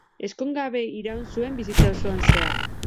Ezkongabe iraun zuen bizitza osoan zehar.